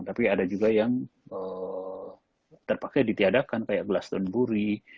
tapi ada juga yang terpakai ditiadakan kayak glastonbury